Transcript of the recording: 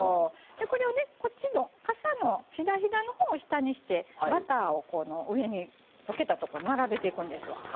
でこれをねこっちのかさのひだひだのほうを下にしてバターをこの上に溶けたとこに並べていくんですわ。